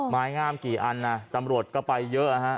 ไม้งามกี่อันนะตำรวจก็ไปเยอะนะฮะ